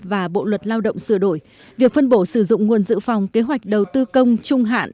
và bộ luật lao động sửa đổi việc phân bổ sử dụng nguồn dự phòng kế hoạch đầu tư công trung hạn